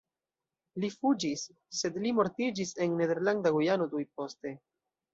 Li fuĝis, sed li mortiĝis en Nederlanda Gujano tuj poste.